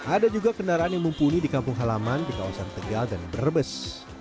ada juga kendaraan yang mumpuni di kampung halaman di kawasan tegal dan berbes